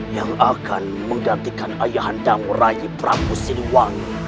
yang akan menggantikan ayah anda meraih peramu siliwangi